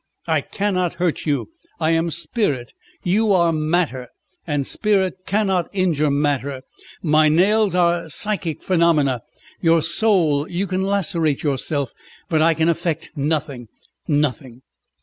"I cannot hurt you. I am spirit, you are matter, and spirit cannot injure matter; my nails are psychic phenomena. Your soul you can lacerate yourself, but I can effect nothing, nothing."